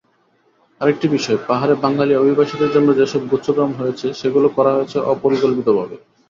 আরেকটি বিষয়, পাহাড়ে বাঙালি অভিবাসীদের জন্য যেসব গুচ্ছগ্রাম হয়েছে, সেগুলো করা হয়েছে অপরিকল্পিতভাবে।